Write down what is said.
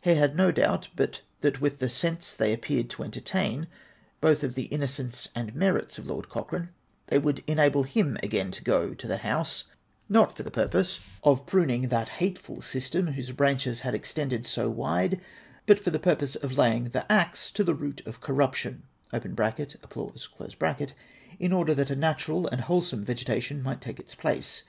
He had no doubt but that with the sense they appeared to entertain, both of the innocence and merits of Lord Cochrane, they would en able him again to go to the House, not for the purpose of 442 APPENDIX X. jii'uniiig that liateful system wliose Ijranches had extended so Avide, but for the jiiirpose of laying the axe to the root of corruption {((jjphiuse), in order that a natural and wholesome vegetation might take its place.